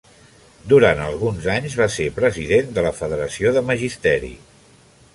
Durant alguns anys, va ser president de la Federació de Magisteri.